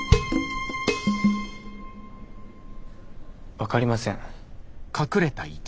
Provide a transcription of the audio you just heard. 分かりません。